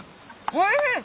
おいしい！